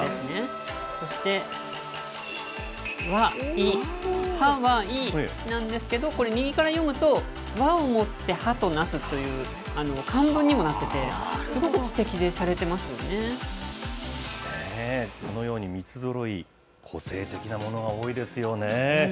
そして、和、以、覇和以なんですけど、これ、右から読むと、和をもって覇となすという漢文にもなってて、すごく知的でしゃれこのように三つぞろい、個性的なものが多いですよね。